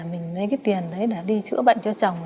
mình lấy cái tiền đấy là đi chữa bệnh cho chồng